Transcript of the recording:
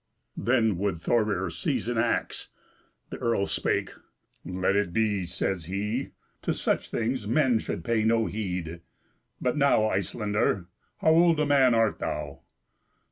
Then would Thorir seize an axe. The earl spake: "Let it be," says he; "to such things men should pay no heed. But now, Icelander, how old a man art thou?"